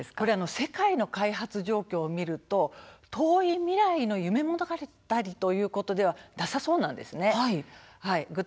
世界の開発状況を見ると遠い未来の夢物語ということではなさそうなんです。